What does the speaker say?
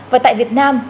và tại việt nam